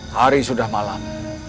hari sudah malam